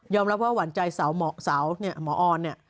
ยอมรับว่าหวันใจสาวนี่หมอออน